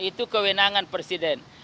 itu kewenangan presiden